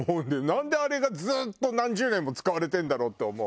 なんであれがずっと何十年も使われてるんだろうって思う。